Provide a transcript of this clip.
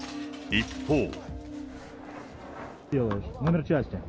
一方。